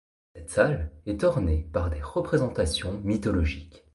Cette salle est ornées par des représentations mythologiques.